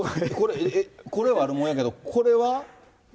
これ、悪もんやけど、これは？